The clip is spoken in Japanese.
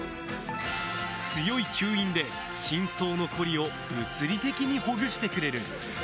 強い吸引で深層の凝りを物理的にほぐしてくれる。